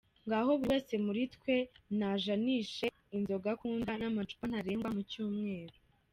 Ngaho buri wese muri twe, ni ajanishe inzoga akunda, n’macupa ntarengwa mu cyumweru.